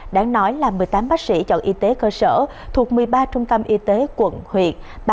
đáng nói là một mươi tám bác sĩ chọn y tế cơ sở thuộc một mươi ba trung tâm y tế quận huyện